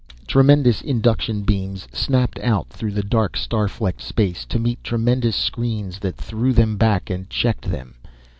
Tremendous induction beams snapped out through the dark, star flecked space, to meet tremendous screens that threw them back and checked them.